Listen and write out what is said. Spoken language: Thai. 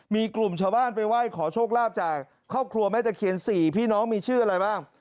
มีกลุ่มชาวบ้านไปไหว้ขอโชคลาภจากครอบครัวแม่ตะเคียน๔พี่น้องมีชื่ออะไรบ้าง